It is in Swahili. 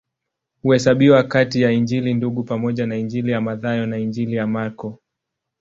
Huhesabiwa kati ya Injili Ndugu pamoja na Injili ya Mathayo na Injili ya Marko.